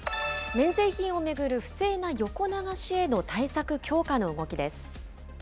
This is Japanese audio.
免税品を巡る不正な横流しへの対策強化の動きです。